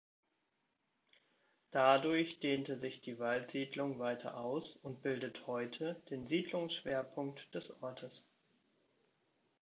Dadurch dehnte sich die Waldsiedlung weiter aus und bildet heute den Siedlungsschwerpunkt des Ortes.